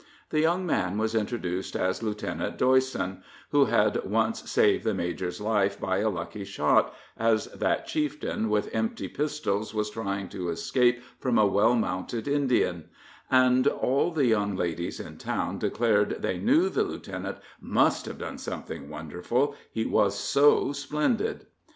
The young man was introduced as Lieutenant Doyson, who had once saved the major's life by a lucky shot, as that chieftain, with empty pistols, was trying to escape from a well mounted Indian; and all the young ladies in town declared they knew the lieutenant must have done something wonderful, he was so splendid.